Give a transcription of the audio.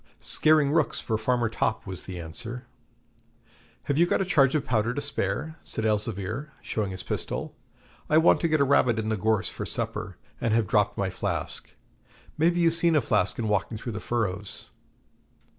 'Scaring rooks for Farmer Topp,' was the answer. 'Have you got a charge of powder to spare?' said Elzevir, showing his pistol. 'I want to get a rabbit in the gorse for supper, and have dropped my flask. Maybe you've seen a flask in walking through the furrows?'